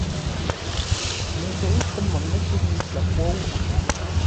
Noso ijkon moneki nitlapouas.